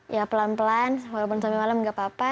ya pelan pelan walaupun sampai malam nggak apa apa